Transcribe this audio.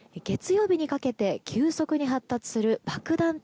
月曜日にかけて急速に発達する爆弾